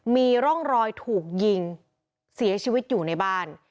มีร่องรอยถูกยิงเสียชีวิตอยู่ในบ้าน